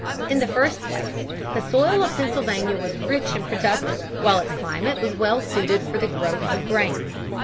In the first place, the soil of Pennsylvania was rich and productive while its climate was well suited to the growth of grain.